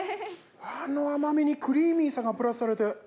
あの甘みにクリーミーさがプラスされて。